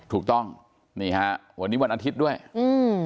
ถูกต้องนี่ฮะวันนี้วันอาทิตย์ด้วยอืม